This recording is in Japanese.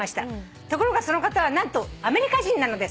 「ところがその方は何とアメリカ人なのです」